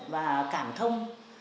và cảm thông